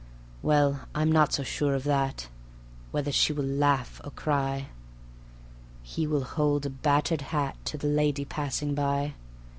Well, I'm not so sure of that Whether she will laugh or cry. He will hold a battered hat To the lady passing by.